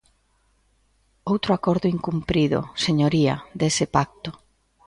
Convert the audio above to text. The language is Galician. Outro acordo incumprido, señoría, dese pacto.